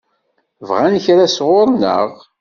Bɣan kra sɣur-neɣ?